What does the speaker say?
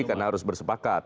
karena harus bersepakat